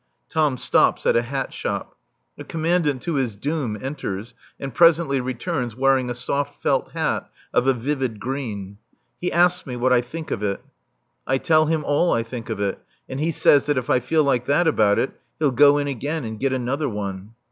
Tom stops at a hat shop. The Commandant to his doom enters, and presently returns wearing a soft felt hat of a vivid green. He asks me what I think of it. I tell him all I think of it, and he says that if I feel like that about it he'll go in again and get another one.